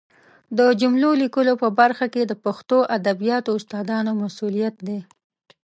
د جملو لیکلو په برخه کې د پښتو ادبیاتو استادانو مسؤلیت دی